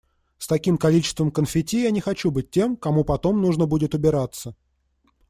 С таким количеством конфетти я не хочу быть тем, кому потом нужно будет убираться.